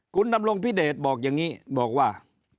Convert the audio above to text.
คุณดำรงพิเดชบอกอย่างนี้บอกว่า